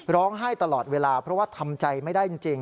ร้องไห้ตลอดเวลาเพราะว่าทำใจไม่ได้จริง